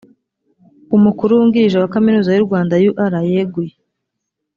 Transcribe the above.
umukuru wungirije wa kaminuza y’u rwanda ur yeguye